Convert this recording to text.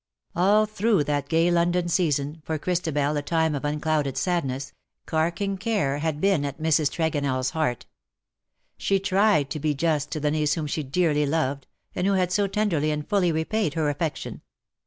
All through that gay London season — for Christ abel a time of unclouded sadness — carking care had been at Mrs. TregonelFs heart. She tried to be just to the niece whom she dearly loved, and who had so tenderly and fully repaid her affection.